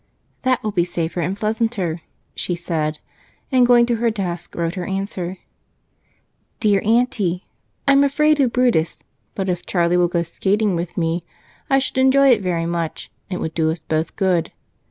"That will be safer and pleasanter," she said, and going to her desk wrote her answer. DEAR AUNTY, I'm afraid of Brutus, but if Charlie will go skating with me, I should enjoy it very much and it would do us both good.